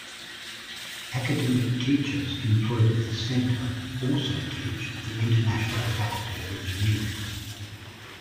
Academic teachers employed at the Centre also teach at the International Faculty of Engineering.